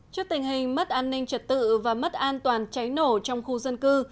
trước tình hình mất an ninh trật tự và mất an toàn cháy nổ trong khu dân cư